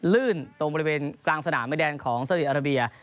ลื่นตรงบริเวณกลางสนามแม่แดนของสาวดีอาราเบีย